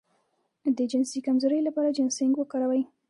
د جنسي کمزوری لپاره جنسینګ وکاروئ